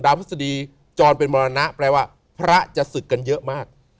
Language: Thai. พฤษฎีจรเป็นมรณะแปลว่าพระจะศึกกันเยอะมาก